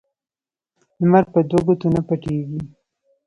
لمر په دو ګوتو نه پټېږي